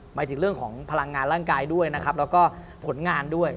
หมายถึงเรื่องของพลังงานร่างกายด้วยนะครับแล้วก็ผลงานด้วย